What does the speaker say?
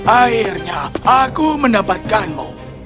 akhirnya aku mendapatkanmu